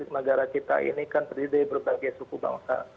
negara kita ini kan terdiri dari berbagai suku bangsa